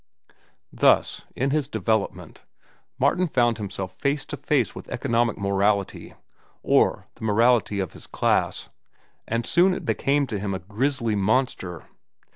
Thus, in his development, Martin found himself face to face with economic morality, or the morality of class; and soon it became to him a grisly monster.